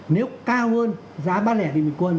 nếu cao hơn giá bán lẻ bình quân